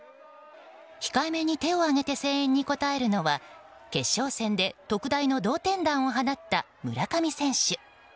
控えめに手を上げて声援に応えるのは決勝戦で特大の同点弾を放った村上選手。